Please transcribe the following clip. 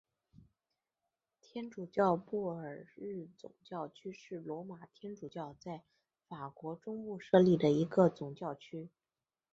天主教布尔日总教区是罗马天主教在法国中部设立的一个总教区。